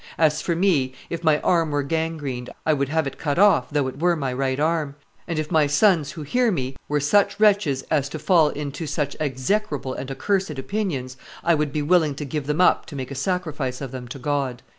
As for me, if my arm were gangrened, I would have it cut off though it were my right arm, and if my sons who hear me were such wretches as to fall into such execrable and accursed opinions, I would be willing to give them up to make a sacrifice of them to God."